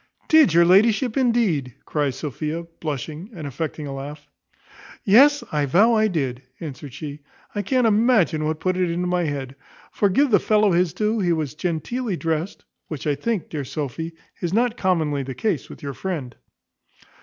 "Did your ladyship, indeed?" cries Sophia, blushing, and affecting a laugh. "Yes, I vow I did," answered she. "I can't imagine what put it into my head: for, give the fellow his due, he was genteely drest; which, I think, dear Sophy, is not commonly the case with your friend."